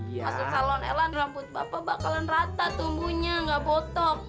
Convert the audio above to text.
masuk salon elan rambut bapak bakalan rata tumbuhnya nggak botok